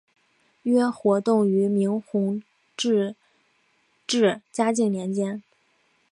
约活动于明弘治至嘉靖年间。